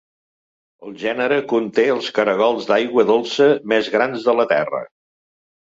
El gènere conté els caragols d'aigua dolça més grans de la terra.